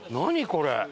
これ。